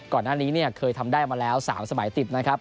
ก่อนหน้านี้เนี่ยเคยทำได้มาแล้ว๓สมัยติดนะครับ